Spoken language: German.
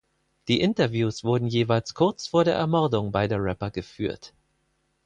Die Interviews wurden jeweils kurz vor der Ermordung beider Rapper geführt.